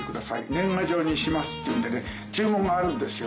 年賀状にします」っていうんでね注文があるんですよ。